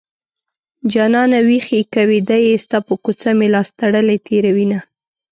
جانانه ويښ يې که ويده يې ستا په کوڅه مې لاس تړلی تېروينه